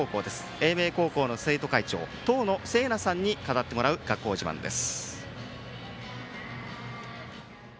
英明高校の生徒会長當野さんに語ってもらう学校自慢です。